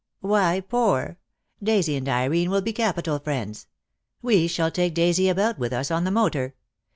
"Why poor? Daisy and Irene will be capital friends. We shall take Daisy about with us on the motor.